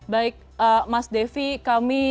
baik mas devi kami